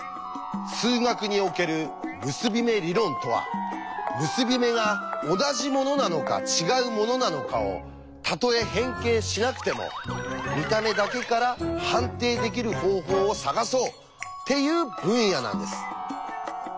数学における結び目理論とは結び目が同じものなのか違うものなのかをたとえ変形しなくても見た目だけから判定できる方法を探そうっていう分野なんです。